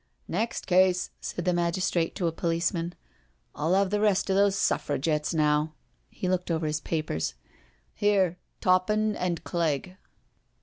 " Next case," said the magistrate to a policeman. " I'll have the rest pf those Suffragettes now." He BEFORE THE MAOISTRATE 99 looked over his papers, " Here, Toppin and Clegg.